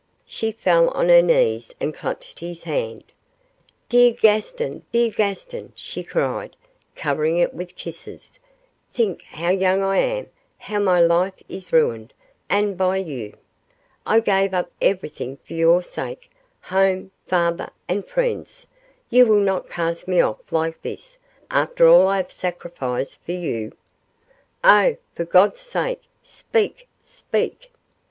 She fell on her knees and clutched his hand. 'Dear Gaston! dear Gaston!' she cried, covering it with kisses, 'think how young I am, how my life is ruined, and by you. I gave up everything for your sake home, father, and friends you will not cast me off like this after all I have sacrificed for you? Oh, for God's sake, speak speak!